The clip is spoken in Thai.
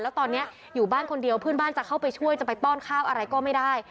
แล้วตอนนี้อยู่บ้านคนเดียวเพื่อนบ้านจะเข้าไปช่วยจะไปป้อนข้าวอะไรก็ไม่ได้